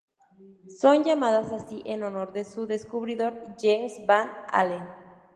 Son llamados así en honor de su descubridor, James Van Allen.